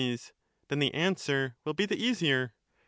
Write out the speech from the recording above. Then the answer will be the easier.